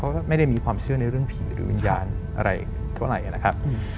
ก็ไม่ได้มีความเชื่อในเรื่องผีหรือวิญญาณอะไรเท่าไหร่นะครับ